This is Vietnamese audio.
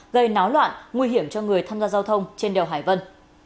gây náo loạn nguy hiểm cho người tham gia giao thông trên đèo hải vân